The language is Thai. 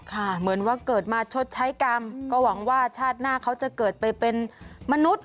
เหมือนว่าเกิดมาชดใช้กรรมก็หวังว่าชาติหน้าเขาจะเกิดไปเป็นมนุษย์